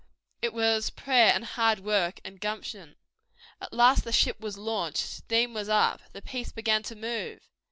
It was prayer and hard work and gumption. At last the ship was launched, steam was up, the Peace began to move.